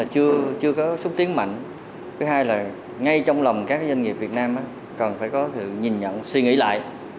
chưa có xúc tiến mạnh thứ hai là ngay trong lòng các doanh nghiệp việt nam cần phải có sự nhìn nhận suy nghĩ lại